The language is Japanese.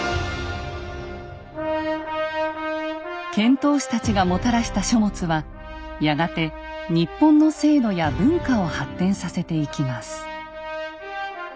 遣唐使たちがもたらした書物はやがて日本の制度や文化を発展させていきます。